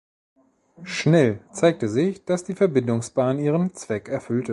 Schnell zeigte sich, dass die Verbindungsbahn ihren Zweck erfüllte.